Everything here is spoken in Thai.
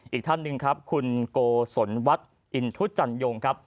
อีกท่านหนึ่งครับคุณโกศลวัฒน์อินทุจันยงครับ